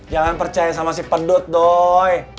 jangan percaya sama si pedut doi